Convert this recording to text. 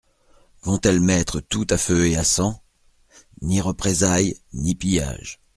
Vont-elles mettre tout à feu et à sang ? Ni représailles, ni pillage.